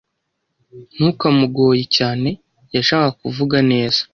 Ntukamugoye cyane. Yashakaga kuvuga neza.